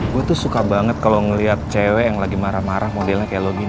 gue tuh suka banget kalau ngeliat cewek yang lagi marah marah modelnya kayak lo gini